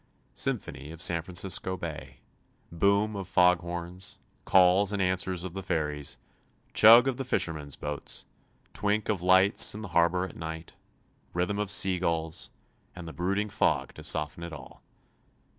Symphony of San Francisco Bay, boom of fog horns, calls and answers of the ferries, chug of the fishermen's boats, twink of lights in the harbor at night, rhythm of sea gulls, and the brooding fog to soften it all.